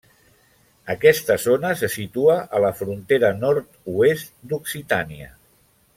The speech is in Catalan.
Aquesta zona se situa a la frontera nord-oest d'Occitània.